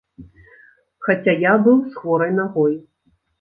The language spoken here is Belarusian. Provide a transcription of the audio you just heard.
Хаця я быў з хворай нагой.